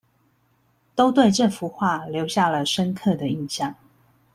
都對這幅畫留下了深刻的印象